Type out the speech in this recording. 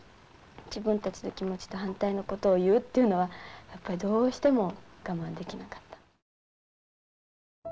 自分たちの気持ちと反対のことを言うっていうのはやっぱりどうしても我慢できなかった。